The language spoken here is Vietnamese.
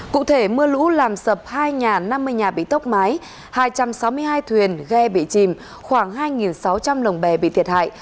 cụ thể mưa lũ làm sập hai nhà năm mươi nhà bị tốc mái hai trăm sáu mươi hai thuyền ghe bị chìm khoảng hai sáu trăm linh lồng bè bị thiệt hại